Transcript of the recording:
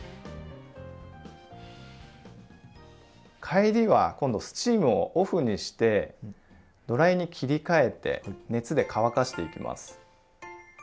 帰りは今度スチームをオフにしてドライに切り替えて熱で乾かしていきます。